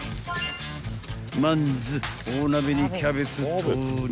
［まんず大鍋にキャベツ投入］